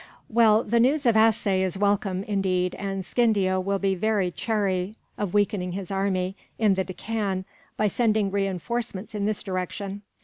"Well, the news of Assaye is welcome, indeed, and Scindia will be very chary of weakening his army in the Deccan by sending reinforcements in this direction.